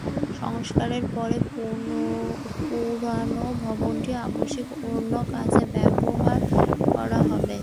সংস্কারের পরে পুরনো ভবনটি অবশ্য অন্য কাজে ব্যবহার করা হবে।